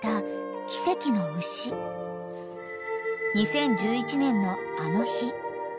［２０１１年のあの日］